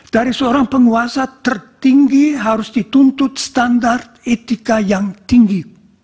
dari seorang penguasa tertinggi harus dituntut standar etika yang tinggi